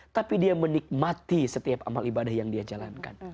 tapi dia menikmati setiap amal ibadah yang dia jalankan